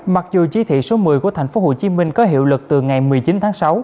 mặc dù chỉ thị số một mươi của tp hcm có hiệu lực từ ngày một mươi chín tháng sáu